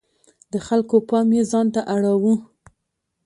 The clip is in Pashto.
د خلکو پام یې ځانته اړاوه.